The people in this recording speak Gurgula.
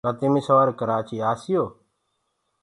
ڪآ تميٚ سواري ڪرآچيٚ آسيو۔